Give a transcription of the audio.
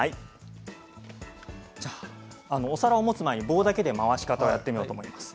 お皿を持つ前に棒だけで回し方をやってみたいと思います。